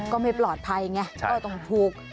ก็ไม่ปลอดภัยไงก็ต้องถูก